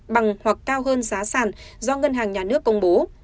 bằng hoặc cao hơn giá sản do ngân hàng nhà nước công bố